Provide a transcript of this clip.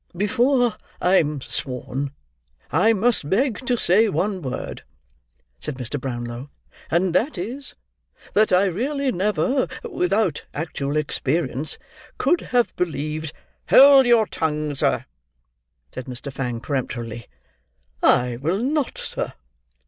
"Before I am sworn, I must beg to say one word," said Mr. Brownlow; "and that is, that I really never, without actual experience, could have believed—" "Hold your tongue, sir!" said Mr. Fang, peremptorily. "I will not, sir!"